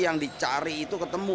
yang dicari itu ketemu